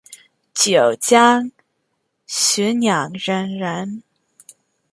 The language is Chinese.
九江浔阳人人。